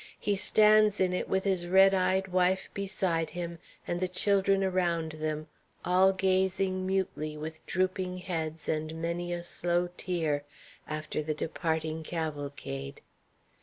He stands in it with his red eyed wife beside him and the children around them, all gazing mutely, with drooping heads and many a slow tear, after the departing cavalcade.